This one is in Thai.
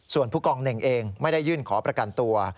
ส่วนผู้กองเน่งเองไม่ได้ยื่นขอประกันตัว